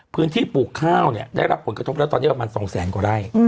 พื้นที่ปลูกข้าวเนี่ยได้รับผลผลกระทบแนวประมาณ๒แสนกว่าได้